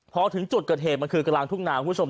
พอถึงจุดเกิดเหตุมันคือกลางทุ่งนาคุณผู้ชม